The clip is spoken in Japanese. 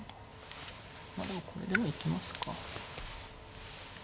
まあでもこれでも行きますか。